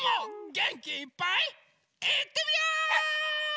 げんきいっぱいいってみよ！